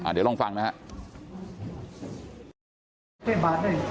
เดี๋ยวลองฟังนะครับ